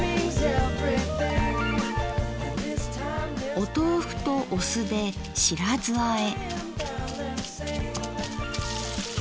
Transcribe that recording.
お豆腐とお酢で「白酢あえ」。